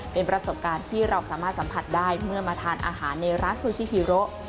เป็นประสบการณ์ที่เราสามารถสัมผัสได้เมื่อมาทานอาหารในร้านซูชิฮิโร